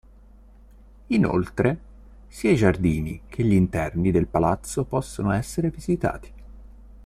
Inoltre, sia i giardini che gli interni del palazzo possono essere visitati.